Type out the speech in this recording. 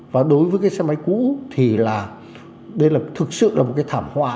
và đối với cái xe máy cũ thì là đây là thực sự là một cái thảm họa